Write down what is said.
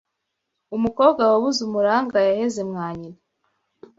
Umukobwa wabuze umuranga yaheze mwa nyina